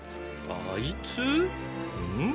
あいつ？ん。